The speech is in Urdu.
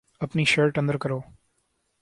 اپنی شرٹ اندر کرو